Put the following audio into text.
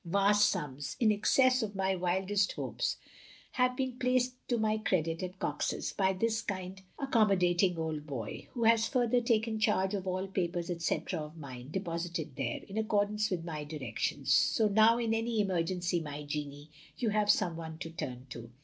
Vc^ sums, in excess of my OF GROSVENOR SQUARE 253 wildest hopes, have been placed to my credit at Cox *s by this kind accommodating old boy; who has fur ther taken charge of all papers , etc., of mine, de posited there, in accordance with my directions; so now, in any emergency, my Jeannie, you have some one to turn to.